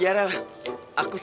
belail jahat gitu